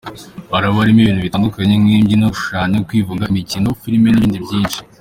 Haraba harimo ibintu bitandukanye nk’imbyino, gushushanya, kwivuga, imikino, film n’ibindi byinshi”.